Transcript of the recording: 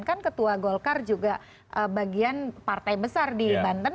kan ketua golkar juga bagian partai besar di banten